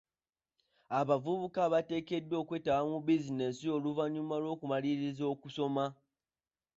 Abavubuka bateekeddwa okwetaba mu bizinensi oluvannyuma lw'okumaliriza okusoma.